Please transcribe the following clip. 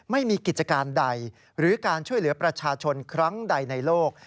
ไม่มีกิจการใดหรือการช่วยเหลือประชาชนครั้งใดในโลก